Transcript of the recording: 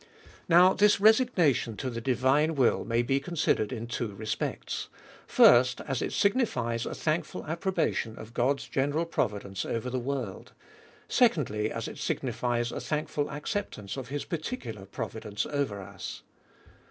Now this resignation to the divine will, may be considered in two respects : First, As it signifies a thankful ap probation of God's general providence over the world : Secondly, \s it signifies a thankful acceptance of his particular providence over us.